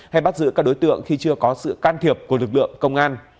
hay bắt giữ các đối tượng khi chưa có sự can thiệp của lực lượng công an